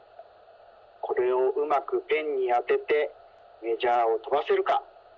これをうまくペンにあててメジャーをとばせるか。